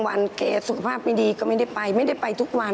วันแกสุขภาพไม่ดีก็ไม่ได้ไปไม่ได้ไปทุกวัน